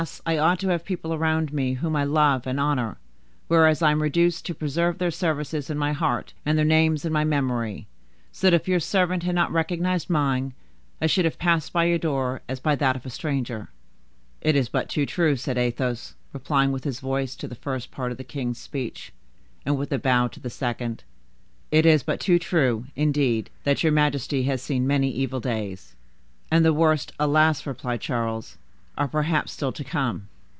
I ought to have people around me whom I love and honor, whereas I am reduced to preserve their services in my heart, and their names in my memory: so that if your servant had not recognized mine, I should have passed by your door as by that of a stranger." "It is but too true," said Athos, replying with his voice to the first part of the king's speech, and with a bow to the second; "it is but too true, indeed, that your majesty has seen many evil days." "And the worst, alas!" replied Charles, "are perhaps still to come."